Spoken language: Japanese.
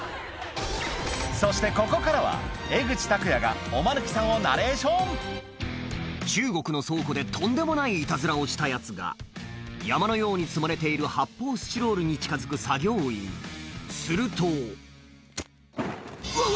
そしてここからは江口拓也がおマヌケさんをナレーション中国の倉庫でとんでもないイタズラをしたヤツが山のように積まれている発泡スチロールに近づく作業員するとうわうわ！